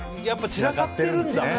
やっぱ散らかってるんだ。